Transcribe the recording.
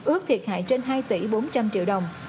ước thiệt hại trên hai tỷ bốn trăm linh triệu đồng